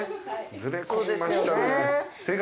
ずれ込みましたね。